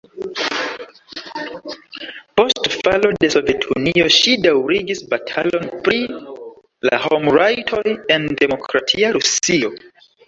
Post falo de Sovetunio ŝi daŭrigis batalon pri la homrajtoj en demokratia Rusio.